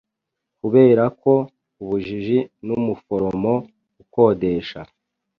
Kuberako ubujiji numuforomo ukodesha